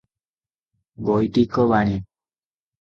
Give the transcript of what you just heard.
ବୈଦିକ ବାଣୀ